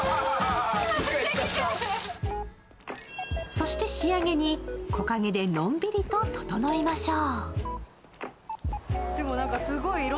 そして仕上げに木陰でのんびりとととのいましょう。